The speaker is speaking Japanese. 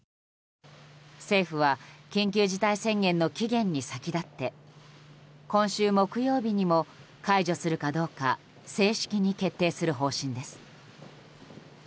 政府は、緊急事態宣言の期限に先立って今週木曜日にも解除するかどうか正式に決定する方針です。